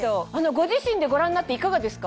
ご自身でご覧になっていかがですか？